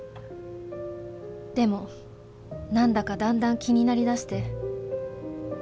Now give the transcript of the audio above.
でも何だかだんだん気になりだして。